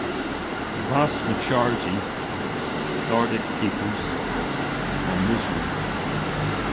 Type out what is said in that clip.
The vast majority of Dardic peoples are Muslim.